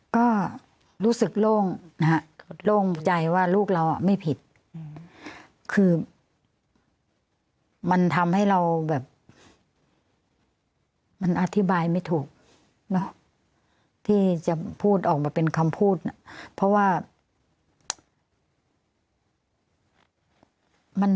ก็รู้สึกโล่งนะฮะโล่งใจว่าลูกเราไม่ผิดคือมันทำให้เราแบบมันอธิบายไม่ถูกเนอะที่จะพูดออกมาเป็นคำพูดนะเพราะว่า